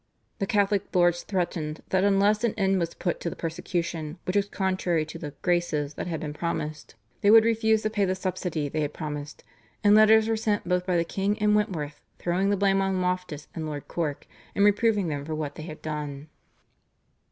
The Catholic lords threatened that unless an end were put to the persecution, which was contrary to the "Graces" that had been promised, they would refuse to pay the subsidy they had promised, and letters were sent both by the king and Wentworth throwing the blame on Loftus and Lord Cork, and reproving them for what they had done.